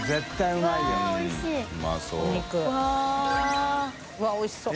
うわっおいしそう。